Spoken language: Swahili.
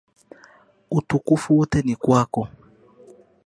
Utukufu wote ni kwako.